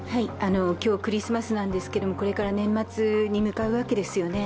今日、クリスマスなんですけど、これから年末に向かうわけですよね。